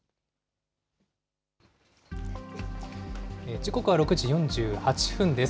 時刻は６時４８分です。